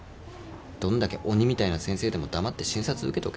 どんだけ鬼みたいな先生でも黙って診察受けとけ。